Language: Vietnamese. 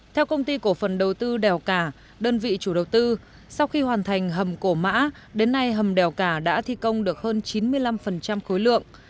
theo công ty cổ phần đầu tư đèo cả đơn vị chủ đầu tư sau khi hoàn thành hầm cổ mã đến nay hầm đèo cả đã thi công được hơn chín mươi năm khối lượng